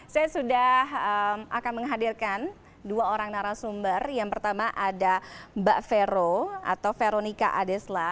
saya sudah akan menghadirkan dua orang narasumber yang pertama ada mbak vero atau veronica adesla